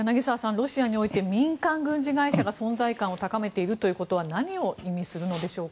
ロシアにおいて民間軍事会社が存在感を高めているということは何を意味するのでしょうか。